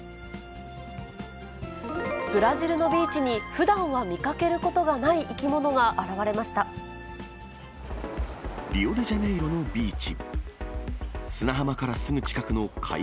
ブラジルのビーチにふだんは見かけることがない生き物が現れリオデジャネイロのビーチ。